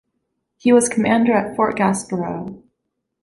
He was commander at Fort Gaspareaux.